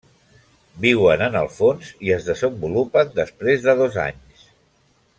Viuen en el fons i es desenvolupen després de dos anys.